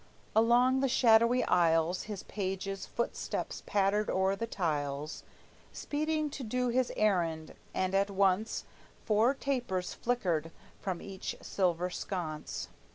Along the shadowy aisles His pages' footsteps pattered o'er the tiles, Speeding to do his errand, and at once Four tapers flickered from each silver sconce.